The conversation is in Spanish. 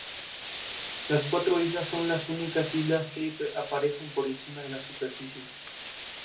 Las cuatro islas son las únicas islas que aparecen por encima de la superficie.